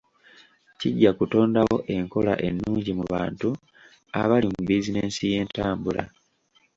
Kijja kutondawo enkola ennungi mu bantu abali mu bizinesi y'ebyentambula.